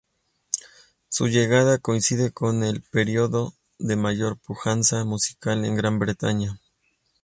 Su llegada coincide con el periodo de mayor pujanza musical en Gran Bretaña.